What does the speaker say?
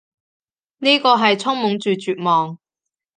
呢個係充滿住絕望